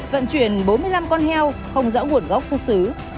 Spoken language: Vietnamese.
vận chuyển bốn mươi năm con heo không rõ nguồn gốc xuất xứ